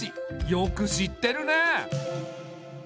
よく知ってるねえ。